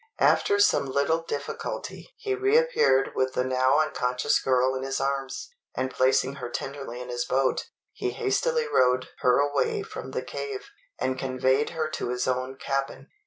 After some little difficulty he reappeared with the now unconscious girl in his arms; and placing her tenderly in his boat, he hastily rowed her away from the cave, and conveyed her to his own cabin.